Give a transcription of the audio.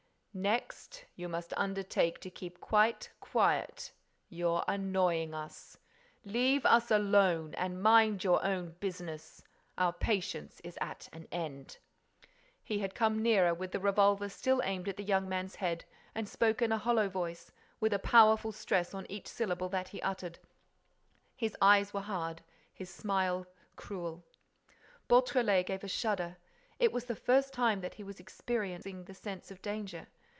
"Next, you must undertake to keep quite quiet. You're annoying us. Leave us alone and mind your own business. Our patience is at an end." He had come nearer, with the revolver still aimed at the young man's head, and spoke in a hollow voice, with a powerful stress on each syllable that he uttered. His eyes were hard, his smile cruel. Beautrelet gave a shudder. It was the first time that he was experiencing the sense of danger.